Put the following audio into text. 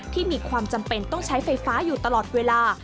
ที่มีความจำเป็นต้องใช้ไฟฟ้าอยู่ตลอดเวลา